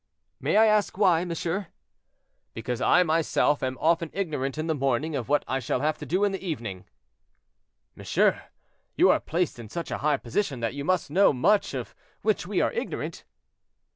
"May I ask why, monsieur?" "Because I, myself, am often ignorant in the morning of what I shall have to do in the evening." "Monsieur, you are placed in such a high position that you must know much of which we are ignorant."